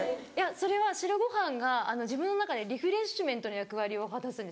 それは白ご飯が自分の中でリフレッシュメントの役割を果たすんですよ。